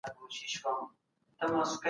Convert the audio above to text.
رحمان بابا